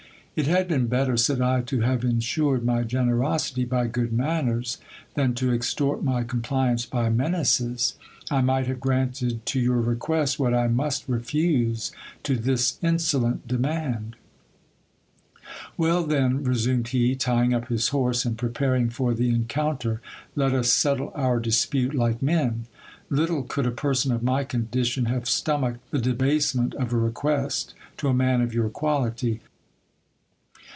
It had been better, said I, to have ensured my generosity by good manners, than to extort my compliance by menaces. I might have granted to your request what I must refuse to this insolent demand. HISTORY OF DON ALPHOXSO A. VI) SERAPHINA. 159 Well, then, resumed he, tying up his horse and preparing for the encounter, let us settle our dispute like men. Little could a person of my condition have stomached the debasement of a request, to a man of your quality.